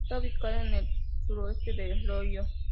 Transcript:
Está ubicada en el suroeste de Lyon.